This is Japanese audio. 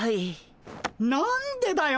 何でだよ！